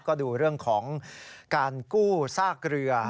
ก็ดูเรื่องของการกู้ซากเรือ